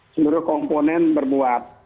sebuah komponen berbuat